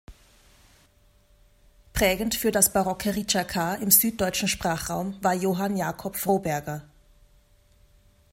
Prägend für das barocke Ricercar im süddeutschen Sprachraum war Johann Jakob Froberger.